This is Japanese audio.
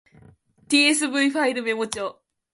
tsv ファイルメモ帳